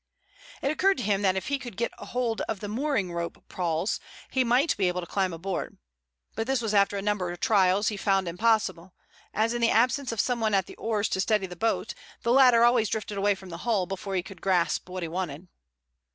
It occurred to him that if he could get hold of the mooring rope pawls he might be able to climb aboard. But this after a number of trials he found impossible, as in the absence of someone at the oars to steady the boat, the latter always drifted away from the hull before he could grasp what he wanted.